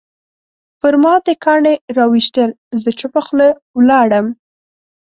پرما دې کاڼي راویشتل زه چوپه خوله ولاړم